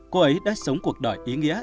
cô ấy đã sống cuộc đời ý nghĩa